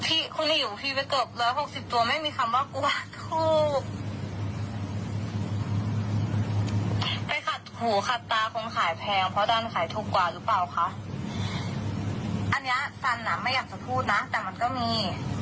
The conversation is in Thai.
อันนี้ซันไม่อยากจะพูดนะแต่มันก็มี